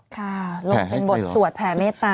ค่ะลงเป็นบทสวดแผ่เมตตา